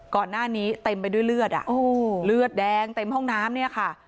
ก่อนหน้านี้เต็มไปด้วยเลือดเลือดแดงเต็มห้องน้ำเนี่ยค่ะ